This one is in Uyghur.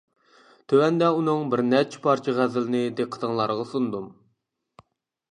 تۆۋەندە ئۇنىڭ بىر نەچچە پارچە غەزىلىنى دىققىتىڭلارغا سۇندۇم.